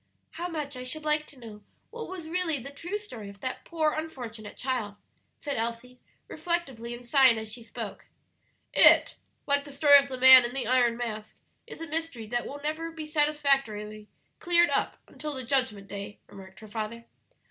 "How much I should like to know what was really the true story of that poor unfortunate child," said Elsie, reflectively, and sighing as she spoke. "It like the story of the Man in the Iron Mask is a mystery that will never be satisfactorily cleared up until the Judgment Day," remarked her father.